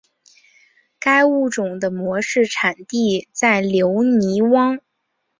该物种的模式产地在留尼汪。